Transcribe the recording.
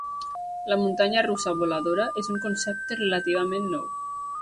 La muntanya russa voladora és un concepte relativament nou.